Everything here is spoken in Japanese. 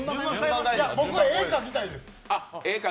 僕、絵を描きたいです。